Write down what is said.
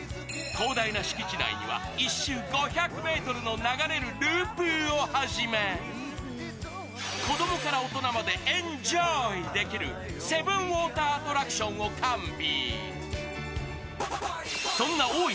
広大な敷地内には１周５００ｍの流れるプールをはじめ子供から大人までエンジョイできる７ウオーター・アトラクションを完備。